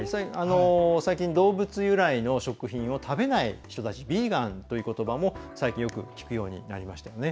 最近、動物由来の食品を食べない人たちビーガンということばも聞くようになりましたよね。